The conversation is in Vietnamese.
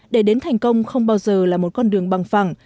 để đến thành công không bao giờ là một con đường bằng phẳng